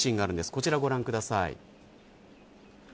こちら、ご覧ください。